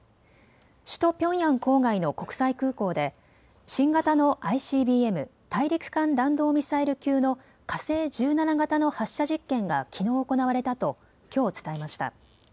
首都ピョンヤン郊外の国際空港で新型のＩＣＢＭ・大陸間弾道ミサイル級の火星１７型の発射実験がきのう行われたときょう伝えました。